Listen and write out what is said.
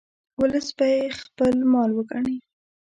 ولس به یې خپل مال وګڼي.